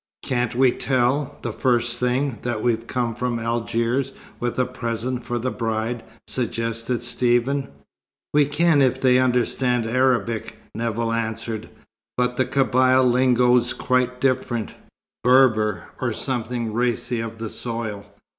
"Can't we tell, the first thing, that we've come from Algiers with a present for the bride?" suggested Stephen. "We can if they understand Arabic," Nevill answered. "But the Kabyle lingo's quite different Berber, or something racy of the soil.